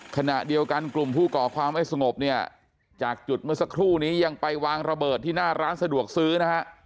ขณะเดียวกันกลุ่มผู้ก่อความไม่สงบเนี่ยจากจุดเมื่อสักครู่นี้ยังไปวางระเบิดที่หน้าร้านสะดวกซื้อนะฮะ